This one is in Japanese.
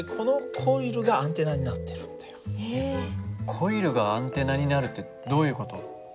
コイルがアンテナになるってどういう事？